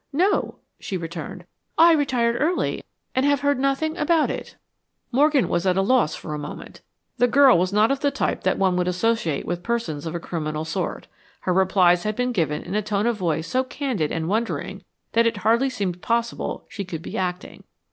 "No," she returned. "I retired early and have heard nothing about it." Morgan was at a loss for a moment. The girl was not of the type that one would associate with persons of a criminal sort. Her replies had been given in a tone of voice so candid and wondering that it hardly seemed possible she could be acting.